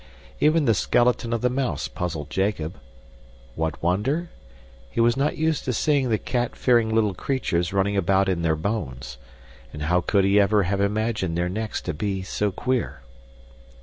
Even the skeleton of the mouse puzzled Jacob. What wonder? He was not used to seeing the cat fearing little creatures running about in their bones and how could he ever have imagined their necks to be so queer?